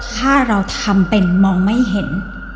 ถ้าเราทำเป็นมองไม่เห็น